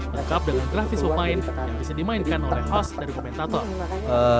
lengkap dengan grafis pemain yang bisa dimainkan oleh host dari komentator